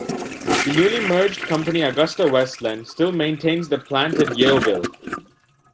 The newly merged company AgustaWestland still maintains the plant at Yeovil.